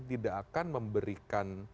tidak akan memberikan